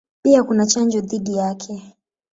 Pia kuna chanjo dhidi yake.